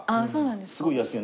すごい安いの。